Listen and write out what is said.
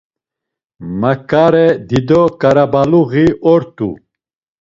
Maǩare dido ǩarabaluği ort̆u.